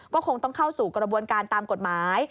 ก็คงต้องเข้าสู่กระบวนการตามกฎหมาย